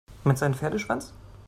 Meinst du einen Pferdeschwanz?